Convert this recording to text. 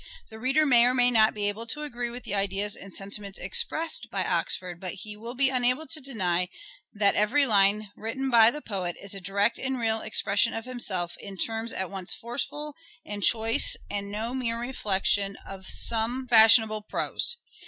The reader may or may not be able to agree with the ideas and sentiments expressed by Oxford, but he will be unable to deny that every line written by the poet is a direct and real expression of himself in terms at once forceful and choice and no mere reflection of some fashionable pose.